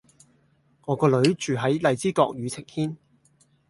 我個女住喺荔枝角宇晴軒